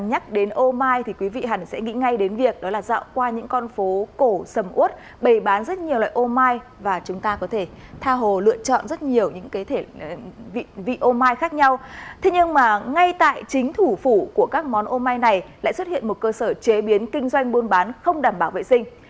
nhưng ngay tại chính thủ phủ của các món ômai này lại xuất hiện một cơ sở chế biến kinh doanh buôn bán không đảm bảo vệ sinh